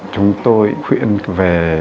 chúng tôi khuyên về